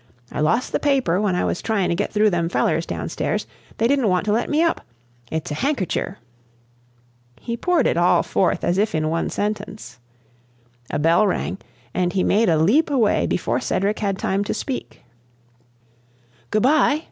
I lost the paper when I was tryin' to get through them fellers downstairs. They didn't want to let me up. It's a hankercher." He poured it all forth as if in one sentence. A bell rang, and he made a leap away before Cedric had time to speak. "Good bye!"